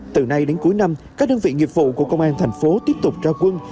từ nay đến cuối năm các đơn vị nghiệp vụ của công an thành phố tiếp tục ra quân